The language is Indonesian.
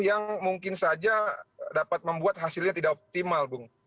yang mungkin saja dapat membuat hasilnya tidak optimal bung